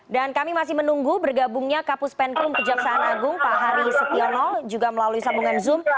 dan kami masih menunggu bergabungnya kapus pentrum kejaksaan agung pak hari setiono juga melalui sambungan zoom